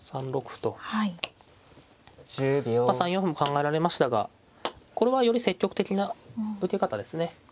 まあ３四歩も考えられましたがこれはより積極的な受け方ですね。